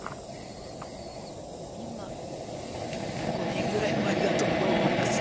５年ぐらい前だと思います。